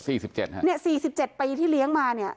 สี่สิบเจ็ดเนี้ยสี่สิบเจ็ดปีที่เลี้ยงมาเนี้ย